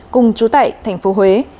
cùng trú tại tp huế